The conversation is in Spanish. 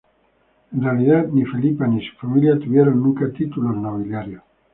En realidad ni Felipa ni su familia tuvieron nunca títulos nobiliarios.